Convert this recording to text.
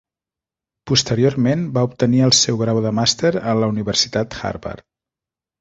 Posteriorment va obtenir el seu grau de màster en la Universitat Harvard.